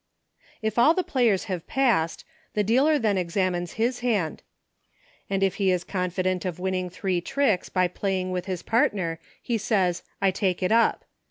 If all the players have passed, the dealer then examines his hand, and if he is confident of winning three tricks by playing with his partner, he says, " I take it up."